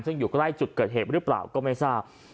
ซึ่งอยู่ใกล้จุดเกิดเหตุหรือเปล่าก็ไม่ทราบ